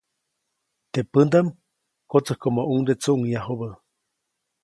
Teʼ pändaʼm kotsäjkomoʼuŋde tsuʼŋyajubä.